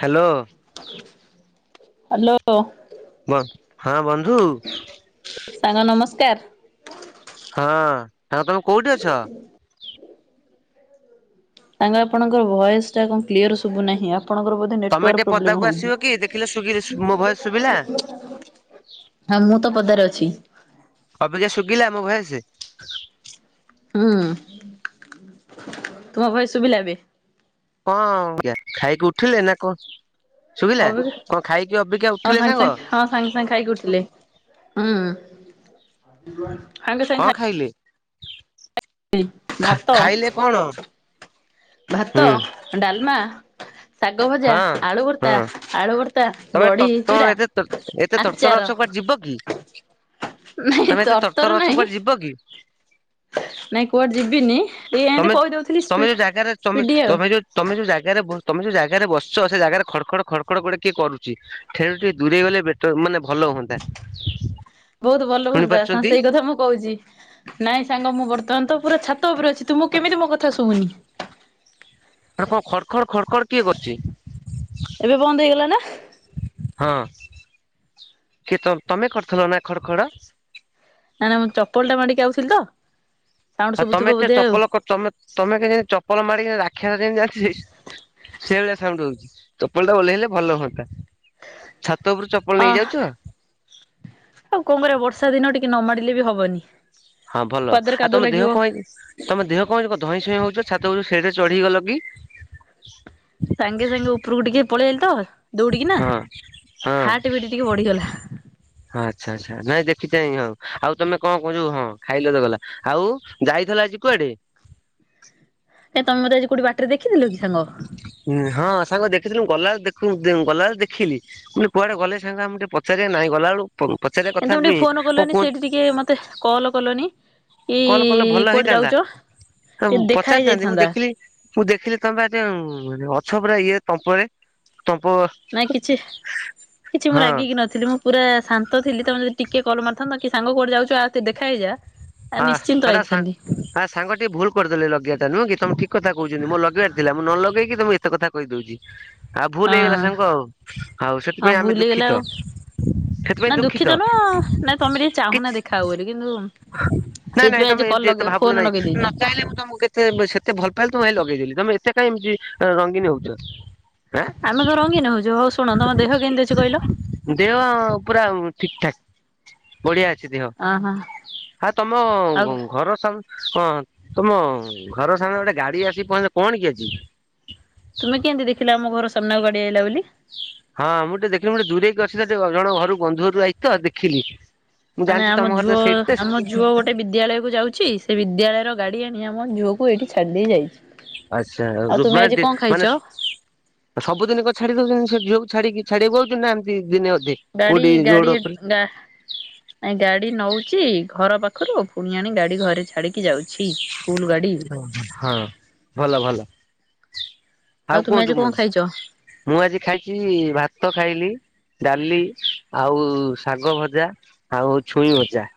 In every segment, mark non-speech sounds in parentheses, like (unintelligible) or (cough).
Hello. Hello. ହଁ ବନ୍ଧୁ। ସାଙ୍ଗ ନମସ୍କାର। ହଁ ହ ତମେ କୋଉଠି ଅଛ? ସାଙ୍ଗ ଆପଣଙ୍କର ଭଏସ ଟା କଣ କ୍ଲିୟର ସବୁ ନାହିଁ ଆପଣଙ୍କର ତମେ ନେଟୱାର୍କ ଟିକେ ପ୍ରୋବ୍ଲେମ ପଦାକୁ ଆସିବ କି ଦେଖିଲେ ଶୁଗି ହେଉଚି ମୋ ଭଏସ ଶୁଭିଲା (unintelligible) ହଁ ମୁଁ ତ ପଦାରେ ଅଛି ଅବିକା ଶୁଭିଲା ମୋ ଭଏସ ହୁଁ ତୁମ ଭୟସ ସୁବିଲ ଏବେ କଣ ଆଜ୍ଞା ଖାଇକି ଉଠିଲେ ନା କହ ଅ ହଁ ଉଠିଲେ ସାଙ୍ଗେ ସାଙ୍ଗ ସାଙ୍ଗେ ହଁ ସାଙ୍ଗେ ସାଙ୍ଗେ ଖାଇକି ଉଠିଲେ। ହୁଁ। ସାଙ୍ଗେ ସାଙ୍ଗେ କଣ ଖାଇ ଖାଇଲେ। ଖା ଭାତ ଖାଇଲେ କଣ ହୁଁ ଭାତ ହଁ। ଡାଲମା ଶାଗ ଭଜା ଆଳୁବର୍ତା ହଁ ଆଳୁ ବର୍ତା ତମେ ବଢୀ ତମ ଚୁରା ଏତେ ଏତେ ତରତର ଆଚାର ଅଛ କୁଆଡେ ଯିବ କି ନାଇଁ ତରତର ନାହିଁ (inaudible) ନାଇଁ କୁଆଡେ ଯିବିନି। ଟିକେ ଏମିତି ତମେ କହିଦଉଥିଲି ସ୍ପି ତମେ ଯୋଉ ଜାଗାରେ ତମେ ସ୍ପିଡି ଆଉ ତମେ ଯୋଉ ତମେ ଯୋଉ ଜାଗାରେ ତମେ ଯୋଉ ଜାଗାରେ ବସିଛ ସେ ଜାଗାରେ ଖଡ ଖଡ ଖଡ ଖଡ ଗୋଟେ କିଏ କରୁଛି। ଠେ ଟିକେ ଦୂରେଇ ଗଲେ ବେଟ ମାନେ ଭଲ ହୁଅନ୍ତା। ବହୁତ ଭଲ ଶୁଣି ହୁଅନ୍ତା ପାରୁଛନ୍ତି ସେଇ କଥା ମୁଁ କହୁଛି। ନାଇଁ ସାଙ୍ଗ ମୁଁ ବର୍ତ୍ତମାନ ତ ପୁରା ଛାତ ଉପରେ ଅଛି ତୁ ମୁଁ କେମିତି ମୋ କଥା ସୁବୁନି। ଆ କ ଖଡ ଖଡ ଖଡ ଖଡ କିଏ କରୁଛି। ଏବେ ବନ୍ଦ ହେଇଗଲା ନା ହଁ କିଏ ତମେ କରିଥିଲ ନା ଖଡ ଖଡ ନାଇଁ ନା ମୁଁ ଚପଲ ଟା ମାଡିକି ଆାଉଥିଲି ତ ସାଉଣ୍ଡ ଆଉ ଶୁଭୁଥିବ ତମେ ବୋଧେ ଆଉ। ଚପଲମେ ତମେ କେତି ଚପଲ ମାରିକ ରାକ୍ଷମିତି (unintelligible) ସେଇ ଭଳିଆ ସାଉଣ୍ଡ ହଉଛି ଚୋପଲ ଟା ଓ୍ଇଲେ ଭଲ ହୁଅନ୍ତା ଛାତ ଉପରୁ ଚପଲ ହଁ ନେଇଯାଉଛୁ। ଆଉ କଣ କରିବା ବର୍ଷା ଦିନ ଟିକେ ନ ମାଡିଲେ ବି ହବନି। ହଁ ଭଲ ପାଦରେ ଆଉ କାଦୁଅ ତମ ଦେହ ଲାଗିବ। କ ତମ ଦେହ କଣଛ ଧଇଁ ସଇଁ ହଉଛ ଛାତ ସେଠରେ ଚଢିଗ ଗଲ କି ସାଙ୍ଗେ ସାଙ୍ଗେ ଉପରକୁ ଟିକେ ପଳେଇଗଲି ତ ଦୌଡିକି ନା ହଁ ହଁ ହାର୍ଟ ବିଟ ଟିକେ ବଢିଗଲା ହଁ ଆଛା ଆଛା ନାଇଁ ଦେଖିଛଁ ହଉ ଆଉ ତମେ କଣ କଣ ଯୋଉ ହଁ ଖାଇଲେ ତ ଗଲା ଆଉ ଯାଇଥିଲା ଆଜି କୁଆଡେ। ଏ ତମେ ମତେ ଆଜି କୋଠି ବାଟରେ ଦେଖିଥିଲୁ କି ସାଙ୍ଗ ହଁ ସାଙ୍ଗ ଦେଖିଥିଲୁ ଗଲାବେଖ ଗଲାବେଳେ ଦେଖିଲି ମାନେ କୁଆଡେ ଗଲେ ସେ ଆମକୁ ଟିକେ ପଚାରିବାର ନାଇଁ ଗଲା ବେଳୁ ପୁ ପଚାରିବା ଏମିତି ଟିକେ ଫୋନ କଲନି ସେଠି ଟିକେ ମତେ କଲ୍ କଲନି। କି କଲ୍ କଲେ ଭଲ କୁଆଡେ ହେଇଥାନ୍ତା। ଯାଉଛ ଟି ଦେଖା ହେଇ ପଚାରିଥାନ୍ତି ମୁଁ ଯାଇଥାନ୍ତା। ଦେଖିଲି ମୁଁ ଦେଖିଲି ତମେ ପା ଅଛ ପୁରା ଇଏ ତମ୍ପରେ ତମ୍ପ ନାଇଁ କିଛି କିଛି ମୁଁ ରାଗିକି ନଥିଲି ମୁଁ ପୁରା ଶାନ୍ତ ଥିଲି ତମେ ଯଦି ଟିକେ କଲ୍ ମାରଥାନ୍ତା କି ସାଙ୍ଗ କୋଉଠେ ଯାଉଛ ଆଉ ଦେଖା ହେଇଯା ଆ ନିଶ୍ଚିନ୍ତ ଆଇଥାନ୍ତି। ଆଁ ସାଙ୍ଗ ଟିକେ ଭୁଲ କରିଦେଲି ଲଗେଇବା ଟା ନୁହଁ କି ତମ ଠିକ କହୁଛନ୍ତି ମୁଁ ଲଗେଇ ଆର ଥିଲା ନ ଲଗେଇକି ତମୁ ଏତେ କଥା କହିଦଉଛି ଆଉ ଭୁଲ ହଁ ହେଇଗଲା ସାଙ୍ଗ ଆଉ ଆଉ ହଁ ସେଥିପାଇଁ ଆମେ ଭୁଲ ହେଇଗଲା ଦୁଃଖିତ। ଆଉ ସେଥିପାଇଁ ନା ଦୁଃଖିତ ଦୁଃଖୀିତ ନୁହଁ ନା ତମେ ଟିକେ ଚାହୁଁନା କିଛି ଦେଖା ହଉ ବୋଲି କିନ୍ତୁ ନାଇଁ ନାଇଁ ସେଇଥିପାଇଁ ଆଜି ତମେ କଲ୍ ଏମିତି ଏତେ ଲଗେଇ ଫୋନ ଭାବୁଛି ନାଇଁ ଲଗେଇ ଦେଇଛ ନ ଚାହିଁଲେ ମୁଁ ତମକୁ କେ ତେ ସେତେ ଭଲ ପାଇଲେ ତ ମୁ ଲଗେଇଦେଲି ତମେ ଏତେ କାଇଁ ଏମିତି ରଙ୍ଗିନ ହଉଛ। ଆଁ ଆମେ କଁ ରଙ୍ଗୀନ ହଉଛୁ ହଉ ଶୁଣ ତମ ଦେହ କେମିତି ଅଛି କହିଲ? ଦେହ ପୁରା ଠିକ ଠାକ୍ ବଢିଆ ଅଛି ଦେହ। ଆଁ ହ ହା ତମ ଘର ସାମ ହଁ ତମ ଘର ସାମନାରେ ଗୋଟେ ଗାଡି ଆସିିକି ପହଞ୍ଚିଲା କଣ କି ଆଜି? ତୁମେ କେମତି ଦେଖିଲ ଆମ ଘର ସାମ୍ନାକୁ ଗାଡିଆ ଆଇଲା ବୋଲି? ହଁ ମୁଁ ଟିକେ ଦେଖିଲି ଗୋଟେ ଦୂରେଇକି ଅଛି ସେ ଜଣ ଘରୁ ବନ୍ଧୁରୁ ଯାଇ ତ ଦେଖିଲି। ମୁଁ ମାନେ ଜାଣିଛି ତମ ଆମ ଘର ତ ଝୁଅ ସେଇଠି ତ ଆମ ଝୁଅ ଗୋଟେ ସେ ବିଦ୍ୟାଳୟକୁ ଯାଉଛି ସେ ବିଦ୍ୟାଳୟର ଗାଡ଼ି ଆଣି ଆମ ଝୁଅକୁ ଏଇଠି ଛାଡ଼ିଦେଇ ଯାଇଛି। ଆଚ୍ଛା ଆଉ ରୁ ତୁମେ ଆଜି ମାନେ କଣ ମାନେ ଖାଇଛ ଆ ସବୁ ଦିନିକ ଛାଡି ଦଉଛନ୍ତି ସେ ଝିଅକୁ ଛାଡି ଛାଡି ଆକୁ ଆଉଛନ୍ତି ନା ଏମିତି ଦିନେ ଅଧେ। ଗାଡ଼ି କୋଉଠି ରୋଡ ଗାଡ଼ି ଉପରେ? ଗା ନାଇ ଗାଡି ନଉଚି ଘର ପାଖରୁ ପୁଣି ଆଣି ଗାଡି ଘରେ ଛାଡିକି ଯାଉଛି। ସ୍କୁଲ ଗାଡି ହଁ ଭଲ ଭଲ। ଆଉ ତୁମେ କୁହନ୍ତୁ ଆଜି ମୁଁ କଣ ଖାଇଛ? ମୁଁ ଆଜି ଖାଇଛି ଭାତ ଖାଇଲି। ଡାଲି ଆଉ ଶାଗ ଭଜା, ଆଉ ଛୁଇଁ ଭଜା।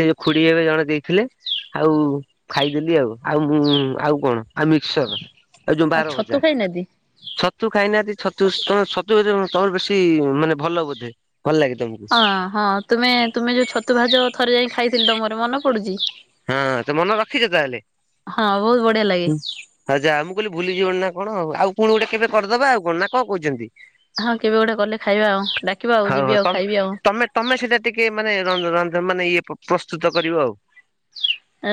ସେ ଖୁଡି ଏବେ ଜଣେ ଦେଇଥିଲେ ଆଉ ଦେଲି ଆଉ ଆଉ କଣ ଆଉ ମିକ୍ସର ଆଉ ଯୋଉ ବାର ଛତୁ ଭଜା। ଖାଇନାହାନ୍ତି? ଛତୁ ଖାଇନାହାନ୍ତି ଛତୁ ତମେ ଛତୁ ତମର ବେଶୀ ମାନେ ଭଲ ବୋଧେ ଭଲ ଲାଗେ ତମକୁ। ହଁ ହଁ ତୁମେ ତୁମେ ଯୋଉ ଛତୁ ଭାଜ ଥରେ ଯାଇ ଖାଇଥିଲି ତମର ମନ ପଡୁଛି। ହଁ ତ ମନେ ରଖିଛ ତାହେଲେ। ହଁ ବହୁତ ବଢିଆ ଲାଗେ ଆ ଯାଆ ମୁଁ କହିଲି ଭୁଲିଯିବଣି ନା କଣ ଆଉ ପୁଣି ଗୋଟେ କେବେ କରିଦବା ଆଉ କଣ ନା କଣ କହୁଛନ୍ତି? ହଁ କେବେ ଗୋଟେ ଗଲେ ଖାଇବା ଆଉ ଡାକିବା ଆଉ ହଉ ହଉ ଯିବି ଆଉ ତମେ ଖାଇବି ଆଉ। ତମେ ତମେ ସେଇଟା ଟିକେ ମାନେ ରନ୍ଧ ରନ୍ଧ୍ ମାନେ ଇଏ ପ୍ରସ୍ତୁତ କରିବ ଆଉ।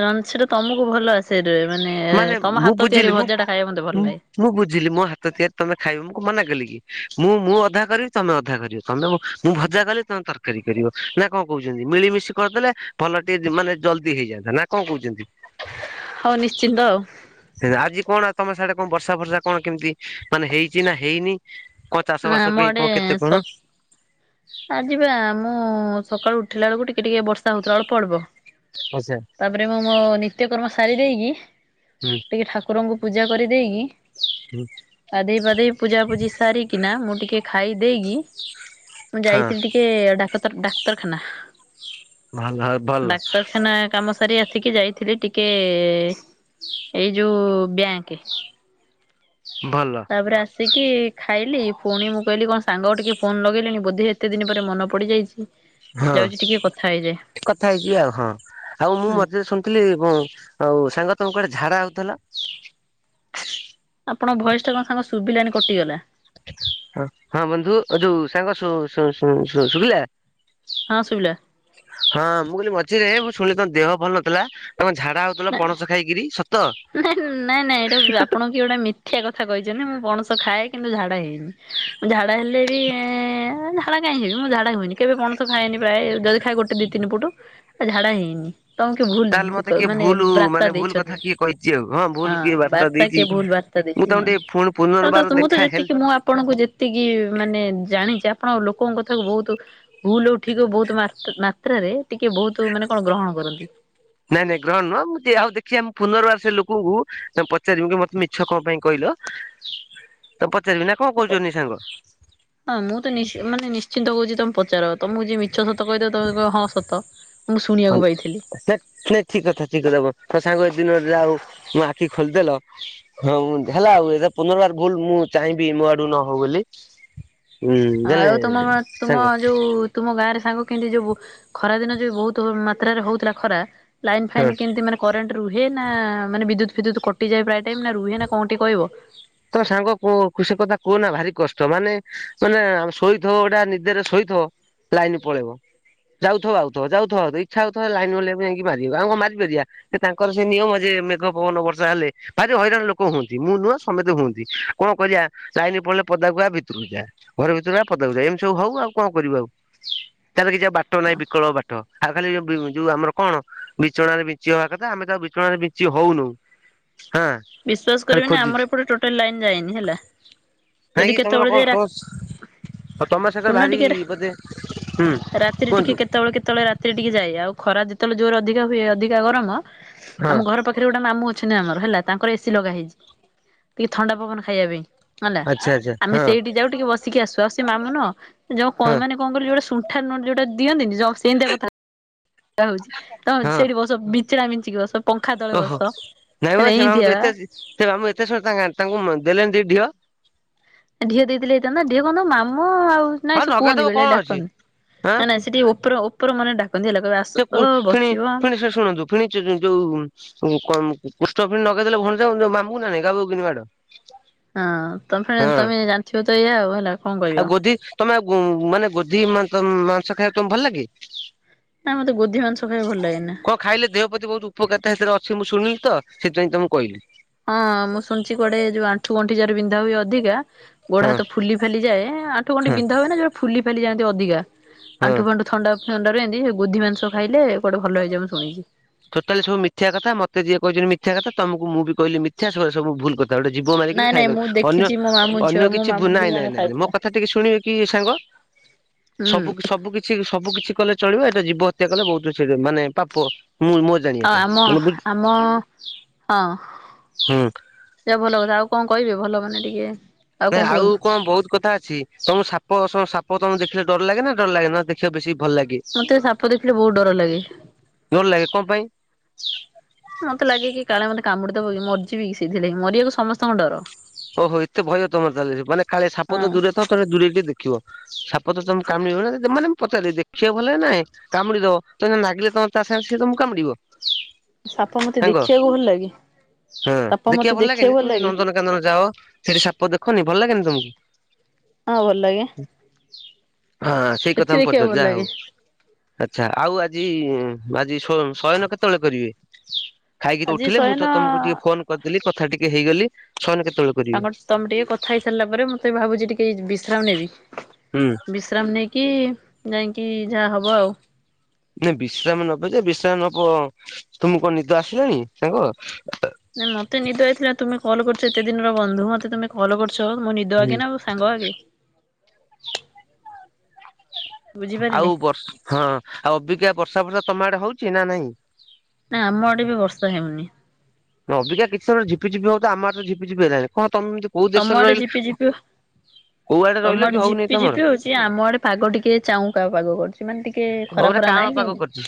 ରଣ ସ ଟା ତମକୁ ଭଲ ଆସ ମାନେ ତମ ମୁଁ ହାତ ବୁଝିଲି ତିଆରି ମୁଁ ଭଜା ଟା ଖାଇବା ମତେ ଭଲ ଲାଗେ। ମୁଁ ବୁଝିଲି ମୋ ହାତ ତିଆରି ତମେ ଖାଇବ ମୁଁ କଁ ମନା କଲି କି। ମୁଁ ମୁଁ ଅଧା କରିବି ତମେ ଅଧା କରିବ ତମେ ମୁଁ ଭଜା କଲେ ତମେ ତରକାରୀ କରିବ। ନା କଣ କହୁଛନ୍ତି ମିଳିମିଶି କରିଦେଲେ ଭଲ ଟିକେ ମାନେ ଜଲଦି ହେଇଯାନ୍ତା ନା କଣ କହୁଛନ୍ତି। ହଉ ନିଶ୍ଚିନ୍ତ ଆଉ। ଆଜି କଣ ତମ ସସାଡେ କଣ ବର୍ଷା ବର୍ଷା କଣ କେମିତି ମାନେ ହେଇଛି ନା ହେଇନି? କଣ ଚାଷ ନା ବାସ ପାଇଁ କଣ କେତେ କଣ। ଆ ଯିବା ମୁଁ ସକାଳୁ ଉଠିଲା ବେଳକୁ ଟିକେ ଟିକେ ବର୍ଷା ହଉଥିଲା ଅଳ୍ପ ଅଳ୍ପ। ଆଛା ତାପରେ ମୁଁ ମୋ ନିତ୍ୟକର୍ମ ସାରି ଦେଇକି ହୁଁ ଟିକେ ଠାକୁରଙ୍କୁ ପୂଜା କରିଦେଇକି ହୁଁ ଆଧେଇ ପାଧେଇ ପୂଜାପୂଜି ସାରିକିନା ମୁଁ ଟିକେ ଖାଇ ଦେଇକି ମୁଁ ହଁ। ଯାଇଥିଲି ଟିକେ ଡାକତର ଡାକ୍ତରଖାନା ଭଲ ଭଲ ଡାକ୍ତର ଖାନା କାମ ସାରି ଆସିକି ଯାଇଥିଲି ଟିକେ ଏଇ ଯୋଉ ବ୍ୟାଙ୍କ। ଭଲ। ତାପରେ ଆସିକି ଖାଇଲି ପୁଣି ମୁଁ କହିଲି କଣ ସାଙ୍ଗ ଟିକେ ଫୋନ ଲଗେଇଲିଣି ବୋଧେ କେତେ ଦିନ ପରେ ମନ ପଡିଯାଇଚି। ହଁ କଥା ହେଇଛି ଆଉ ହଁ ଆଉ ମୁଁ ହୁଁ ମତେ ଶୁଣ ଥିଲି ଏବଂ ଆଉ ସାଙ୍ଗ ତାଙ୍କୁ କୁଆଡେ ଝାଡ଼ା ହୋଉଥିଲ? ଆପଣ ଭୟସ ଟା କଣ ସାଙ୍ଗ ଶୁଭିଲାନି କଟିଗଲା। ହଁ ହଁ ବନ୍ଧୁ ଯୋଉ ସାଙ୍ଗ ଶୁ ଶୁ ଶୁ ଶୁ ଶୁଭିଲା। ହଁ ଶୁଭିଲା। ହଁ ମୁଁ କହିଲି ମଝିରେ ମୁଁ ଶୁଣିଲି ତମ ଦେହ ଭଲ ନଥିଲା ତମ ଝାଡା ହଉଥିଲା ପଣସ ଖାଇକିରି ସ ନାଇଁ ନାଇଁ ନାଇଁ ଏଇଟା ଆପଣ କି ଗୋଟେ ମିଥ୍ୟା କଥା କହିଛନ୍ତି, ମୁଁ ପଣସ ଖାଏ କିନ୍ତୁ ଝାଡା ହେଇନି। ଝାଡ଼ା ହେଲେ ବି ଏଁ ଝାଡା କାହିଁ ହେବି ମୁଁ ଝାଡ଼ା ହୁଏନି କେବେ ପଣସ ଖଏନି ପ୍ରାୟ ଯଦି ଖଏ ଗୋଟେ ଦି ତିନି ପୁଟ ଝାଡ଼ା ହେଇନି ହେଲା। ତମକୁ ଭୁଲ ତାହେଲେ ଦି ମତେ କିଏ କହି ମାନେ ଭୁଲ ମାନେ ବାର୍ତା ଭୁଲ କଥା ଦେଇଛନ୍ତି। କିଏ କହିଛି ଆଉ ଭୁଲ ହଁ କିଏ ବାର୍ତ୍ତା ବାର୍ତା କିଏ ଦେଇଛି ଭୁଲ ବାର୍ତା ମୁଁ ଦେଇଚୁ ତମକୁ ଟିକେ ପୁଣି ଆଉ ଅଁ ପୁନର୍ବାର ତ ମୁଁ ତ ଦେଖା ହେଲେ ଯେତିକି ମୁଁ ଆପଣଙ୍କୁ ଯେତିକି ମାନେ ଜାଣିଚି, ଆପଣ ଲୋକଙ୍କ କଥାକୁ ବୋହୁତ ଭୁଲ ହୋଉ ଠିକ ହୋଉ ବୋହୁତ ମାତ୍ ମାତ୍ରାରେ ଟିକେ ବୋହୁତ ମାନେ କଣ ଗ୍ରହଣ କରନ୍ତି। ନାଇଁ ନାଇଁ ଗ୍ରହଣ ନୁହଁ ମୁଁ ଦେଆଉ ଦେଖିବା ମୁ ପୁନର୍ବାର ସେ ଲୋକଙ୍କୁ ତମେ ପଚାରିବି କି ମତେ ମିଛ କଣ ପାଇଁ କହିଲ? ତମେ ପଚାରିବି ନା କଣ କହୁଛ ନି ସାଙ୍ଗ? ହଁ ମୁଁ ତ ନିଶ ମାନେ ନିଶ୍ଚିନ୍ତ କହୁଚି ତମେ ପଚାର ତମକୁ ଯିଏ ମିଛ ସତ କହିଦେବ ତମେ କହିବ ହଁ ସତ। ମୁଁ ହଁ ଶୁଣିବାକୁ ପାଇଥିଲି (unintelligible) ଠିକ କଥା ଠିକ କଥା ମୋ ସାଙ୍ଗ ଏତେ ଦିନ ପରେ ଆଉ ମ ଆଖି ଖୋଲିଦେଲ। ହଁ ହେଲା ଆଉ ଏ ପୁନରବାର ଭୁଲ ମୁଁ ଚାହିଁବି ମୋ ଆଡୁ ନ ହଉ ବୋଲି। ଉଁ ଆଉ ତମ ଜାଣିଲେ ତୁମ ସାଙ୍ଗ ଯୋଉ ତୁମ ଗାଁରେ ସାଙ୍ଗ କେମିତି ଯୋଉ ଖରା ଦିନ ଯଉ ବୋହୁତ ମାତ୍ରାରେ ହୋଉଥିଲା ଖରା ଲାଇନ୍ ହଁ ଫାଇନ୍ କେମିତି ମାନେ କରେଣ୍ଟ ରୁହେ ନା ମାନେ, ବିଦ୍ୟୁତ ଫିଦ୍ୟୁତ କଟିଯାଏ ପ୍ରାୟ ଟାଇମ ନା ରୁହେ ନା କୋଉଠି କହିବ? ତମ ସାଙ୍ଗ କ ଖୁସି କଥା କୁହନା ଭାରି କଷ୍ଟ, ମାନେ ମାନେ ଶୋଇଥବ ଗୋଟା ନିଦେରେ ଶୋଇଥବ। ଲାଇନ ପଳେଇବ। ଯାଉଥିବ ଆଉଥିବ ଯାଉଥିବ ଆଉଥିବ, ଇଛା ହୋଉଥିବ ଲାଇନବାଲାକୁ ଯାଇକି ମାରିବା, ଆମେ କଣ ମାରିପାରିବା? ସେ ତାଙ୍କର ସେ ନିୟମ ଯେ, ମେଘ ପବନ ବର୍ଷା ହେଲେ ଭାରି ହଇରାଣ ଲୋକ ହୁଅନ୍ତି, ମୁଁ ନୁଆ। ସମସ୍ତେ ହୁଅନ୍ତି କଣ କରିବା ଲାଇନି ପଳେଇଲେ ପଦାକୁ ଆ ଭିତରକୁ ଯା। ଘରେ ଭିତରକୁ ଆ ପଦାକୁ ଯା ଏମତି ସବୁ ହଉ ଆଉ କଣ କରିବୁ ଆଉ? ତାର କିଛି ଆଉ ବାଟ ନାହିଁ ବିକଳ୍ପ ବାଟ ଆଉ ଖାଲି ଏ ବି ଯୋଉ ଆମର କଣ? ବିଛଣାରେ ବିଞ୍ଚି ହବା କଥା ଆମେ କାହା ବିଛଣାରେ ବିଞ୍ଚି ହୋଉନୁ ହଁ। ବିଶ୍ଵାସ ଖାଲି କରିବେନି ଖୋଜୁଛୁ ଆମର ଏପଟେ ଟୋଟାଲ ଲାଇନ ଯାଏନି ହେଲା। ଯଦି କେତେବେଳେ ଯାଏ ରାତ୍ ହୋଉ ତମ ସହିତ ଭାରି ବୋଧେ ହୁଁ ରାତିରେ ଟିକେ କୁହନ୍ତୁ? କେତେବେଳେ କେତେବେଳେ ରାତିରେ ଟିକେ ଯାଏ, ଆଉ ଖରା ଯେତେବେଳେ ଯୋରେ ଅଧିକା ହୁଏ, ଅଧିକା ଗରମ ହଁ ଆମ ଘର ପାଖ ରେ ଗୋଟେ ମାମୁଁ ଅଛନ୍ତି ଆମର, ହେଲା ତାଙ୍କର ଏସି ଲଗା ହେଇଚି ଟିକେ ଥଣ୍ଡା ପବନ ଖାଇବା ପାଇଁ। ହେଲା ଆଚ୍ଛା ଆଚ୍ଛା ଆମେ ହଁ ସେଇଠି ଯାଉ ଟିକେ ବସିକି ଆସୁ ଆଉ ସେ ମାମୁ ନୁହଁ ଯୋଉ କଣ ହଁ ମାନେ କଣ ବୋଲି ଯୋଉ ସୁଣ୍ଠା ନୋଟ ଯୋଟ ଦିଅନ୍ତିନି, ଯ ସେନ୍ତିଆ କଥା ହୋଉଚି ତ ହଁ ସେଠି ବସ ବିଛଣା ବିଞ୍ଚିକି ବସ ପଙ୍ଖା ତଳେ ଓହୋ ବସ ନାଇଁ ମ ତାର ସେ ମାମୁଁ ତ ଏନ୍ତିଆ ଏତେ ସେ ମାମୁଁ ଏତେ ସୁଣ୍ଟା ନା ତାଙ୍କୁ ମ ଦେଲେଣି ଦି ଢିଅ। ଢିଅ ଦେଇଥିଲେ ହେଇଥାନ୍ତା ଢିଅ କଣ ମାମ ଆଉ। ହଁ ନାଇଁ ସେ ନଗେଇଦବ କୁହନ୍ତି ବେଳେ କଣ ବେଳେ ଅଛି ଡାକନ୍ତି, ଆଁ ମାନେ ସେ ଟିକେ ଉପର ଉପର ମନେ ଡାକନ୍ତି ହେଲା କହିବେ ଆ ସେ ଫୁଣି ଫୁଣି ଫୁଣୀ ସେ ଶୁଣନ୍ତୁ ଫୁଣି ଯୋ ଯୋଉ କ କ କୃଷ୍ଣ ପୁଣି ନଗେଇ ଦେଲେ ଭଣଜା ମାମୁ ନା ନାହିଁ ଗବୋକିନି ମାଡ଼। ହଁ ତମେ ତମେ ଜାଣିଥିବ ତ ଏଇଆ ଆଉ ହେଲା। କଣ କହିବ। ଆଉ ଗୋଧି ତମେ ମାନେ ଗୋଧି ମା-ମାଂସ ଖାଇବାକୁ ତମକୁ ଭଲ ଲାଗେ? ନା ମୋତେ ଗୋଧି ମାଂସ ଖାଇବାକୁ ଭଲ ଲାଗେନା। ହଁ ଖାଇଲେ ଦେହ ପ୍ରତି ବହୁତ ଉପକାରତା ସେଥିରେ ଅଛି ମୁଁ ଶୁଣିଲି ତ ସେଥିପାଇଁ ତ ମୁଁ କହିଲି। ହଁ ମୁଁ ଶୁଣିୁଛି କୁଆଡେ ଯୋଉ ଆଣ୍ଠୁ ଗଣ୍ଠି ଯାର ବିନ୍ଧା ହୁଏ ଅଧିକା। ଗୋଡ ହଁ ହାତ ଫୁଲି ଫାଲି ଯାଏ। ଆଣ୍ଠୁ ଗଣ୍ଠି ହଁ ବିଧା ହୁଏ ନା ଯୋଉ ଫୁଲି ଫାଲି ଯାଆନ୍ତି ଅଧିକା ହଁ। ଆଣ୍ଠୁ ଫାଣ୍ଠୁ ଥଣ୍ଡା। ଥଣ୍ଡାରୁ ଏମତି ଗୋଧି ମାଂସ ଖାଇଲେ କୁଆଡେ ଭଲ ହେଇଯାଏ ମୁଁ ଶୁଣିଛି। ଟୋଟାଲି ସବୁ ମିଥ୍ୟ କଥା। ମତେ ଯିଏ କହିଛନ୍ତି ମିଥ୍ୟା କଥା। ତମକୁ ମୁଁ ବି କହିଲି ମିଥ୍ୟା ସେଗୁରା ସବୁ ଭୁଲ କ ଗୋଟେ ଜୀବ ମାରିକିରି ନାଇଁ ନାଇଁ ଖାଇଗଲେ ମୁଁ ଅନ୍ୟ ଦେଖିଛି ମୋ ମାମୁଁ ଅନ୍ୟ ଝିଅ ମୋ କିଛି ମାମୁଁ ଝିଅ ବୁନାଇଁ ନାଇଁ ଜଣେ ନାଇଁ ନାଇଁ ମୋ ଖାଇଥିଲା। କଥା ଟିକେ ଶୁଣିବେ କି ସାଙ୍ଗ ହୁଁ ସବୁ କିଛି ସବୁ କିଛି ସେ ସବୁ କିଛି କଲେ ଚଳିବ ଏଇଟା ଜୀବ ହତ୍ୟା କଲେ ବହୁତ ଯେ ମାନେ ପାପ। ମୁଁ ମୋ ଜାଣିବାଟା ଆ-ଆମ ମାନେ ବୁଝ ଆମ ହଁ। ହୁଁ। ଯା ଭଲ କଥା ଆଉ କଣ କହିବେ ଭଲ ମାନେ ଟିକେ ଆଉ କଣ କୁହନ୍ତୁ। ହଁ ବହୁତ କଥା ଅଛି। ତମ ସାପ ସ-ସାପ ତମେ ଦେଖିଲେ ଡର ଲାଗେ ନା ଡର ଲାଗେ ନା ଦେଖିବା ବେଶୀ ଭଲ ଲାଗେ? ମତେ ସାପ ଦେଖିଲେ ବହୁତ ଡର ଲାଗେ। ଡର ଲାଗେ କଣ ପାଇଁ? ମତେ ଲାଗେ କି କାଳେ ମତେ କାମୁଡିଦବକି ମରଯିବିକି ସେଥିଲାଗି ମରିବାକୁ ସମସ୍ତ ଓହୋ ଏତେ ଭୟ ତମର ତାହେଲେ ମାନେ କାଳେ ସାପ ତ ହଁ ଦୂରରେ ଥାଉ ତେ ଦୂରେଇ ଟିକେ ଦେଖିବ ସାପ ସାପ ତମକୁ କାମୁଡିବନି ମାନେ ମୁଁ ପଚାରେ ଦେ ଦେଖିଆ ଭଲାଗେ ନାଇଁ କାମୁଡି ଦବ ତମେ ନାଗିଲେ ତମ ତା ସାଙ୍ଗେ ସିଏ ତମକୁ କାମୁଡିବ। ସାପ ମତେ ସାଙ୍ଗ ଦେଖିବାକୁ ହଁ ଭଲ ଲାଗେ ସାପ ମତେ ଦେଖିବା ଭଲ ଦେଖିବାକୁ ଲାଗେନି ତୁ ଲାଗେ ନ ନନ୍ଦନ-କାନନ୍ ଯାଅ ସେଠି ସାପ ଦେଖନି ଭଲ ଲାଗେନି ତମକୁ? ହଁ ଭଲାଗେ। ହଁ ସେଇ କଥା ମୁ ଦେଖିବାକୁ ପଚାରୁଚି ଭଲ ଯାହା ଲାଗେ ହଉ। ଆଛା ଆଉ ଆଜି ଆଜି ସୋ ଶୟନ କେତେବେଳେ କରିବେ। ଖାଇକି ତ ଆଜି ଉଠିଲେ ମୁଁ ଶୟନ ତ ତମକୁ ଟିକେ ଫୋନ କରିଦେଲି କଥା ଟିକେ ହେଇଗଲି ସୟନ କେତେବେଳେ କରିବେ? ତାପରେ ତମେ ଟିକେ କଥା ହେଇ ସାରିଲା ପରେ ମୁଁ ତେ ଭାବୁଛି ଟିକେ ବିଶ୍ରାମ ନେବି। ହୁଁ। ବିଶ୍ରାମ ନେଇକି ଯାଇଁକି ଯାହା ହବ ଆଉ। ନାଁ ବିଶ୍ରାମ ନବ ଯେ ବିଶ୍ରାମ ନବ ତୁମକୁ କଣ ନିଦ ଆସିଲାଣି ସାଙ୍ଗ? ନାଇଁ ମତେ ନିଦ ହେଇଥିଲା ତୁମେ କଲ୍ କରଛ ଏତେ ଦିନର ବନ୍ଧୁ ମତେ ତମେ କଲ୍ କରୁଛ ମୁଁ ନିଦ ହୁଁ ଆଗେ ନା ସାଙ୍ଗ ଆଗେ। ବୁଝିପାରିଲେ ଆଉ ବର୍ଷ ହଁ ଆଉ ଅବିଗା ବର୍ଷା ବର୍ଷା ତମ ଆଡେ ହଉଛି ନା ନାଇଁ? ନା ଆମ ଆଡେ ବି ବର୍ଷା ହେଉନି। ଅବିକା କିଛି ସମ ଝିପିଝିପି ହଉ ଆମଆଡେ ଝିପିଝିପି ହେଲାଣି କଣ ତମ କୋଉ ଦେଶରେ ଆଡେ ରହିଲ। ଝିପି ଝିପି କୋଉ ଆଡେ ରହିଲ କି ହଉନି ତମର। ଇଏ ଆମ ଆଡେ ପାଗ ଟିକେ ଚାଉଁକା ପାଗ କରିଚି ମାନେ ଟିକେ ଟିକେ ଖରା ପୁରା ଫରା କାଁଳ ନାଇଁ କି ପାଗ କରିଛି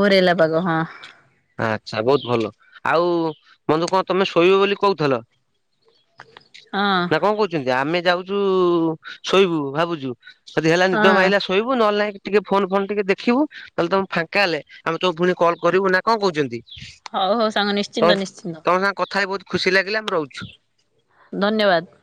ଘୋରେଇଲା ପାଗ ହଁ। ଆଛା ବହୁତ ଭଲ ଆଉ ବନ୍ଧୁ କଁ ତମେ ଶୋଇବ ବୋଲି କହୁଥଲ। ହଁ। କଣ କହୁଛନ୍ତି ଆମେ ଯାଉଛୁ ଶୋଇବୁ ଭାବୁଛୁ ଯଦି ହେଲା ନିଦ ହଁ ମାଇଲା ଶୋଇବୁ ନହେଲେ ନାଇଁ ଟିକେ ଫୋନ ଫୋନ୍ ଟିକେ ଦେଖିବୁ ତାହେଲେ ତମ ଫାଙ୍କା ହେଲେ, ଆମେ ତମକୁ ଫୁଣି କଲ୍ କରିବୁ ନା କଣ କହୁଛନ୍ତି? ହଉ ହଉ ସାଙ୍ଗ ତ ନିଶ୍ଚିନ୍ତ ନିଶ୍ଚିନ୍ତ ତମ ସାଙ୍ଗେ କଥା ହେଇ ବହୁତ ଖୁସି ଲାଗିଲେ ମୁ ରହୁଛୁ। ଧନ୍ୟବାଦ।